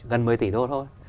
gần một mươi tỷ đô thôi